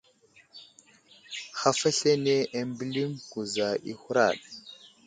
Haf aslane ambeliŋ kuza i huraɗ.